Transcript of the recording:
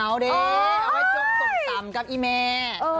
เอาไว้จบสมตำกับอีแม่